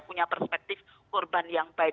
punya perspektif korban yang baik